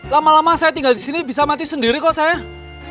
lama lama saya tinggal di sini bisa mati sendiri kok saya